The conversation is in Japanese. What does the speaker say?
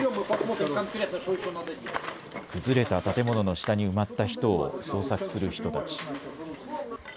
崩れた建物の下に埋まった人を捜索する人たち。